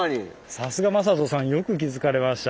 さすが魔裟斗さんよく気付かれました。